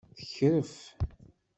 Tekref.